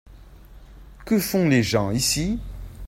Que font les gens ici ?